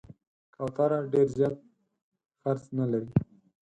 کوتره ډېر زیات خرڅ نه لري.